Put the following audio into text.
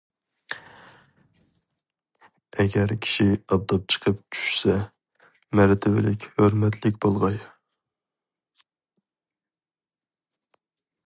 ئەگەر كىشى ئاپتاپ چېقىپ چۈشىسە، مەرتىۋىلىك، ھۆرمەتلىك بولغاي.